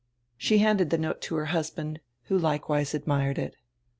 She handed die note to her husband, who likewise admired it.